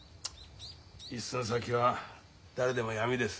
一寸先は誰でも闇です。